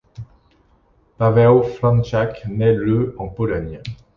Paweł Franczak naît le en Pologne.